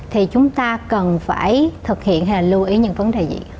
thì chúng ta cần phải thực hiện hay lưu ý những vấn đề gì